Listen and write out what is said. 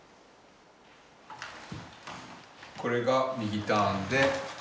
これが右ターンで。